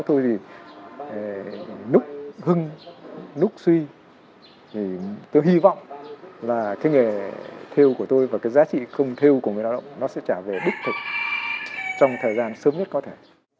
thôi thì nút hưng nút suy thì tôi hy vọng là cái nghề theo của tôi và cái giá trị không theo của người lao động nó sẽ trả về đích thịt trong thời gian sớm nhất có thể